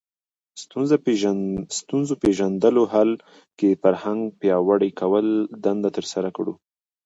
ستونزو پېژندلو حل کې فرهنګ پیاوړي کولو دنده ترسره کړو